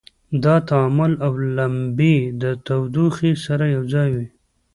دا تعامل له لمبې او تودوخې سره یو ځای وي.